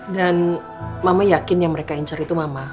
dan mama yakin yang mereka incer itu mama